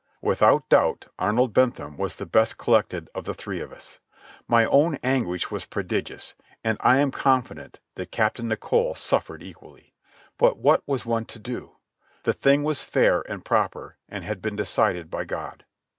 Without doubt Arnold Bentham was the best collected of the three of us. My own anguish was prodigious, and I am confident that Captain Nicholl suffered equally. But what was one to do? The thing was fair and proper and had been decided by God.